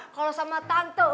tante sama tante